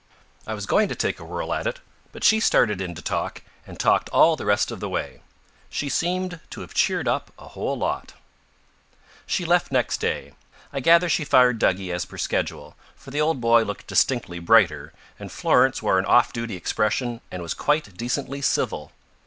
I was going to take a whirl at it, but she started in to talk, and talked all the rest of the way. She seemed to have cheered up a whole lot. She left next day. I gather she fired Duggie as per schedule, for the old boy looked distinctly brighter, and Florence wore an off duty expression and was quite decently civil.